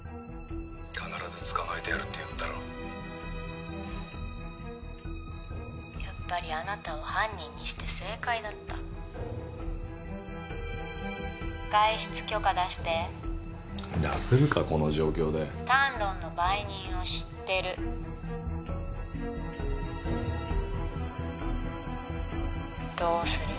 必ず捕まえてやるって言ったろやっぱりあなたを犯人にして正解だった外出許可出して出せるかこの状況でタンロンの売人を知ってるどうする？